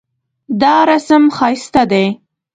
دا رسم ښایسته دی